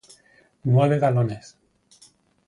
nueve galones